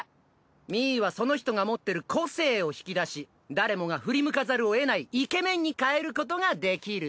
ミーはその人が持ってる個性を引き出し誰もが振り向かざるを得ないイケメンに変えることができる。